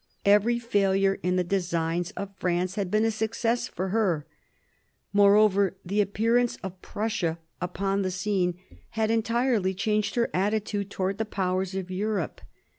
Every failure in the designs of France had been a success for her. Moreover, the appearance of Prussia upon the scene had entirely changed her attitude towards the Powers of Europe.